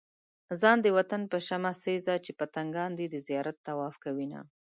ځان د وطن په شمع سيزه چې پتنګان دې د زيارت طواف کوينه